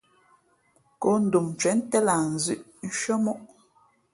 Kǒ ndom ncwěn ntén lah nzʉ̄ʼ shʉ́ά móʼ.